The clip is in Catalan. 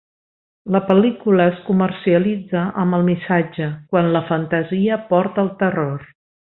La pel.lícula es comercialitza amb el missatge "quan la fantasia porta al terror".